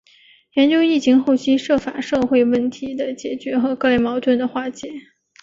研究疫情后期涉法社会问题的解决和各类矛盾的化解